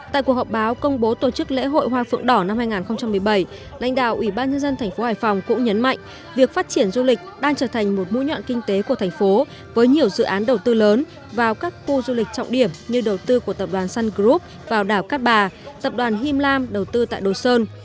tại cuộc họp báo công bố tổ chức lễ hội hoa phượng đỏ năm hai nghìn một mươi bảy lãnh đạo ủy ban nhân dân thành phố hải phòng cũng nhấn mạnh việc phát triển du lịch đang trở thành một mũi nhọn kinh tế của thành phố với nhiều dự án đầu tư lớn vào các khu du lịch trọng điểm như đầu tư của tập đoàn sun group vào đảo cát bà tập đoàn him lam đầu tư tại đồ sơn